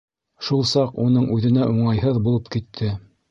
Шул саҡ уның үҙенә уңайһыҙ булып китте.